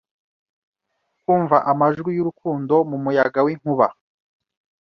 Kumva amajwi yurukundo mumuyaga winkuba